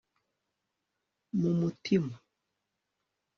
mu mutima